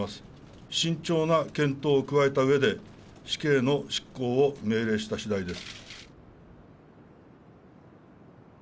慎重な検討を加えたうえで死刑の執行を命令したしだいです。